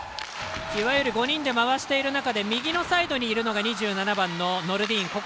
いわゆる５人で回している中で右のサイドにいるのが２７番のノルディーン。